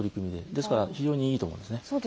ですから非常にいいと思うんですね。